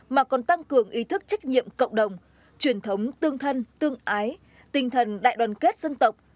mà còn tăng cường ý thức trách nhiệm cộng đồng truyền thống tương thân tương ái tinh thần đại đoàn kết dân tộc